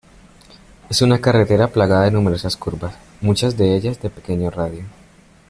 Es una carretera plagada de numerosas curvas, muchas de ellas de pequeño radio.